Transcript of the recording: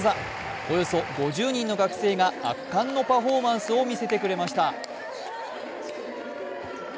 およそ５０人の学生が圧巻のパフォーマンスを見せてくれました。